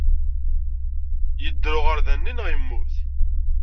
Yedder uɣerda-nni neɣ yemmut?